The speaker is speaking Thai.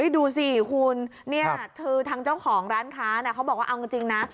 ดูสิคุณที่จ้าของร้านค้าเขาบอกว่าเอาจริงนะ